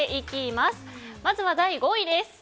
まずは第５位です。